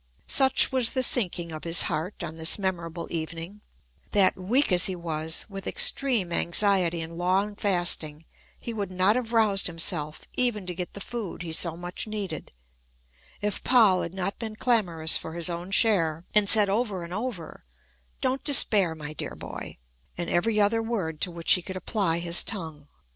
Such was the sinking of his heart on this memorable evening, that, weak as he was, with extreme anxiety and long fasting, he would not have roused himself, even to get the food he so much needed, if Poll had not been clamorous for his own share, and said, over and over, "Don't despair, my dear boy," and every other word to which he could apply his tongue.